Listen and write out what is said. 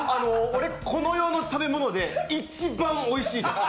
俺、この世の食べ物で一番おいしいです！